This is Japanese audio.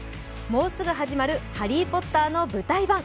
もうすぐ始まる「ハリー・ポッター」の舞台版。